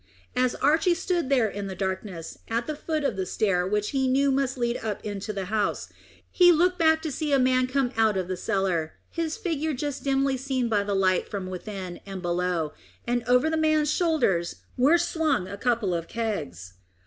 As Archy stood there in the darkness, at the foot of the stair which he knew must lead up into the house, he looked back to see a man come out of the cellar, his figure just dimly seen by the light from within and below, and over the man's shoulders were swung a couple of kegs.